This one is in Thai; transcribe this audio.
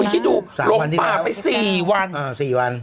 คุณคิดดูหลงป่าไป๔วันอ่า๔วัน